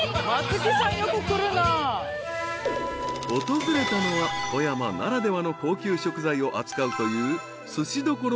［訪れたのは富山ならではの高級食材を扱うという］